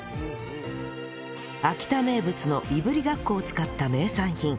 秋田名物のいぶりがっこを使った名産品